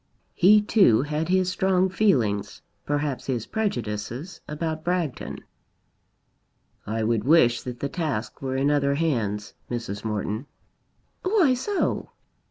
He too had his strong feelings, perhaps his prejudices, about Bragton. "I would wish that the task were in other hands, Mrs. Morton." "Why so?"